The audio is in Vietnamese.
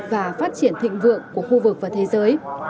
và phát triển thịnh vượng của khu vực và thế giới